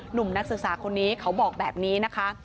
หนุ่มนักศึกษาคนนี้เขาบอกแบบนี้นะคะ